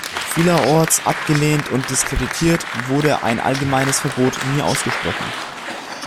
Vielerorts abgelehnt und diskreditiert, wurde ein allgemeines Verbot nie ausgesprochen.